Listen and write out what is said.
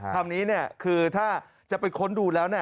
คำนี้คือถ้าจะไปค้นดูแล้ว